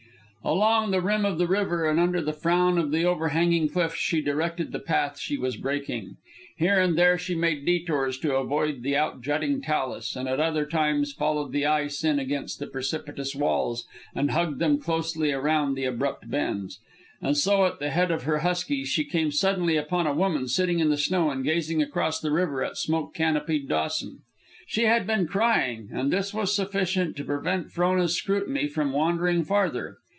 Along the rim of the river and under the frown of the overhanging cliffs, she directed the path she was breaking. Here and there she made detours to avoid the out jutting talus, and at other times followed the ice in against the precipitous walls and hugged them closely around the abrupt bends. And so, at the head of her huskies, she came suddenly upon a woman sitting in the snow and gazing across the river at smoke canopied Dawson. She had been crying, and this was sufficient to prevent Frona's scrutiny from wandering farther.